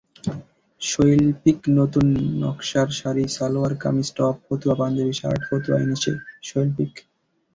শৈল্পিকনতুন নকশার শাড়ি, সালোয়ার কামিজ, টপ, ফতুয়া, পাঞ্জাবি, শার্ট, ফতুয়া এনেছে শৈল্পিক।